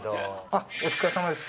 あっお疲れさまです